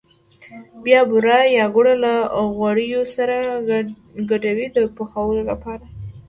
بیا بوره یا ګوړه له غوړیو سره ګډوي د پخولو لپاره.